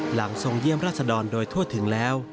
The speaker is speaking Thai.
ทรงเยี่ยมราชดรโดยทั่วถึงแล้ว